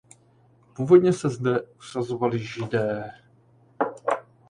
Původně se zde usazovali Židé.